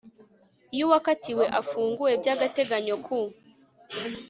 iyo uwakatiwe afunguwe by agateganyo ku